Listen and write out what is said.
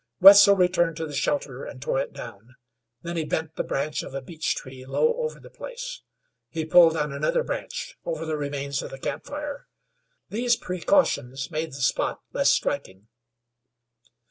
Wetzel returned to the shelter and tore it down. Then he bent the branch of a beech tree low over the place. He pulled down another branch over the remains of the camp fire. These precautions made the spot less striking.